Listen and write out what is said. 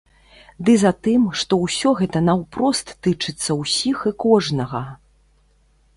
Ды затым, што ўсё гэта наўпрост тычацца ўсіх і кожнага.